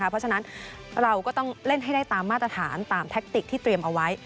เพราะฉะนั้นเราก็ต้องเล่นให้ได้ตามมาตรฐานตามแท็กติกที่เตรียมเอาไว้